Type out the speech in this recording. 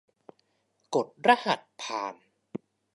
กดรหัสผ่าน